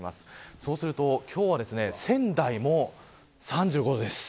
そうすると今日は仙台も３５度です。